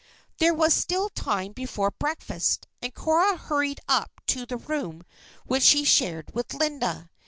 There was still time before breakfast, and Cora hurried up to the room which she shared with Linda.